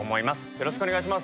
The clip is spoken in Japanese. よろしくお願いします。